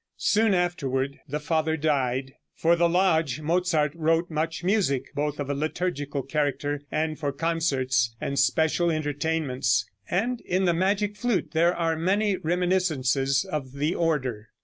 Soon afterward the father died. For the lodge Mozart wrote much music, both of a liturgical character and for concerts, and special entertainments, and in the "Magic Flute" there are many reminiscences of the order.